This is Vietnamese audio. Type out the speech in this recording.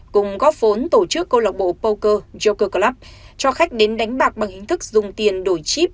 cùng góp vốn tổ chức câu lạc bộ poker yoker club cho khách đến đánh bạc bằng hình thức dùng tiền đổi chip